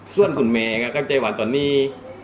ส่วนหุ่นแม่ก็จะว่านี่